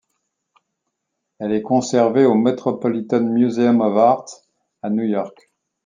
Elle est conservée au Metropolitan Museum of Art, à New York.